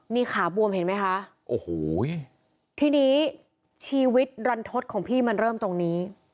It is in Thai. นี่ขาบวมเห็นไหมคะโอ้โหทีนี้ชีวิตรันทศของพี่มันเริ่มตรงนี้